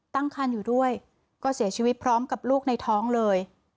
ตั้งคันอยู่ด้วยก็เสียชีวิตพร้อมกับลูกในท้องเลย